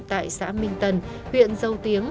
tại xã minh tân huyện dầu tiến